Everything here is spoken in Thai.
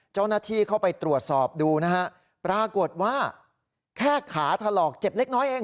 เจ้าหน้าที่เข้าไปตรวจสอบดูนะฮะปรากฏว่าแค่ขาถลอกเจ็บเล็กน้อยเอง